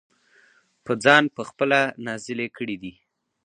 پۀ ځان پۀ خپله نازلې کړي دي -